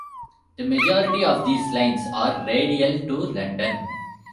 The majority of these lines are radial to London.